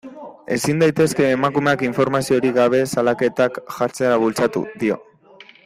Ezin daitezke emakumeak informaziorik gabe salaketak jartzera bultzatu, dio.